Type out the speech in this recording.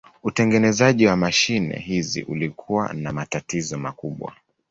Utengenezaji wa mashine hizi ulikuwa na matatizo makubwa.